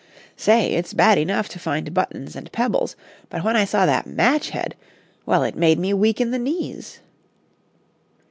Say, it's bad enough to find buttons and pebbles, but when I saw that match head well, it made me weak in the knees."